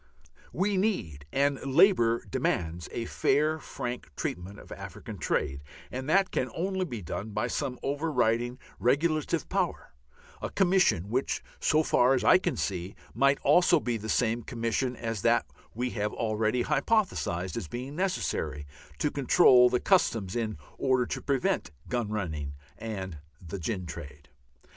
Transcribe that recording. We need, and Labour demands, a fair, frank treatment of African trade, and that can only be done by some overriding regulative power, a Commission which, so far as I can see, might also be the same Commission as that we have already hypothesized as being necessary to control the Customs in order to prevent gun running and the gin trade.